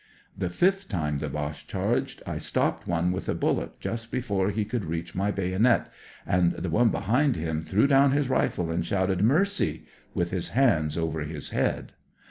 "The fifth time the Boche charged I stopped one with a bullet just before he could reach my baynit, and the one behind him threw down his rifle an' shouted * Mercy 1' with his hands over his head.